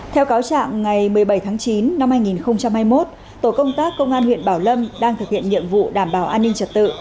theo cáo trạng ngày một mươi bảy tháng chín năm hai nghìn hai mươi một tổ công tác công an huyện bảo lâm đang thực hiện nhiệm vụ đảm bảo an ninh trật tự